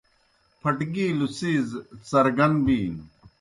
پھٹگِیلوْ څیز څرگَن بِینوْ۔